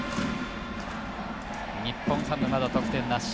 日本ハム、まだ得点なし。